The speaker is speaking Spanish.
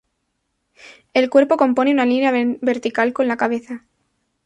El cuerpo compone una línea en vertical con la cabeza.